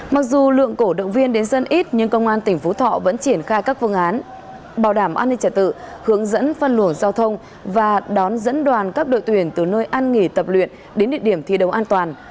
mặc dù lượng cổ động viên đến dân ít nhưng công an tỉnh phú thọ vẫn triển khai các phương án bảo đảm an ninh trả tự hướng dẫn phân luồng giao thông và đón dẫn đoàn các đội tuyển từ nơi ăn nghỉ tập luyện đến địa điểm thi đấu an toàn